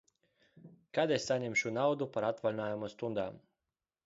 Kad es saņemšu naudu par atvaļinājuma stundām?